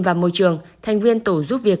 và môi trường thành viên tổ giúp việc